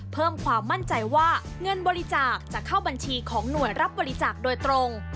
เพิ่มความมั่นใจว่าเงินบริจาคจะเข้าบัญชีของหน่วยรับบริจาคโดยตรง